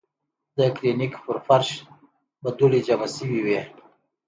د کلینک پۀ فرش به دوړې جمع شوې وې ـ